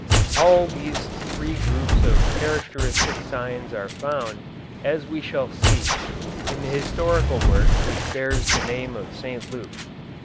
All these three groups of characteristic signs are found, as we shall see, in the historical work which bears the name of St. Luke.